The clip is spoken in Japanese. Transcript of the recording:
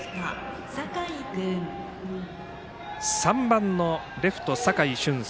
３番のレフト、酒井駿輔。